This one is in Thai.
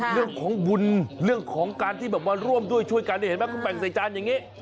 เรื่องของบุญเรื่องของการที่แบบมาร่วมด้วยช่วยกันนี่เห็นไหมคุณแบ่งใส่จานอย่างนี้